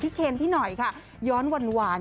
พี่เคนพี่หน่อยครับย้อนวัน